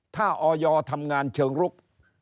ถ้าออยทำงานเชิงลุก